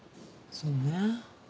そうね。